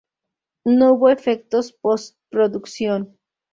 No hubo efectos post-producción.